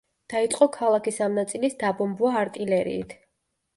დაიწყო ქალაქის ამ ნაწილის დაბომბვა არტილერიით.